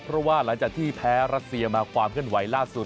เพราะว่าหลังจากที่แพ้รัสเซียมาความเคลื่อนไหวล่าสุด